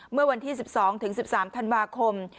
เมื่อวันที่๑๒๑๓ธันวาคม